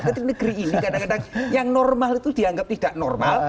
ketika negeri ini kadang kadang yang normal itu dianggap tidak normal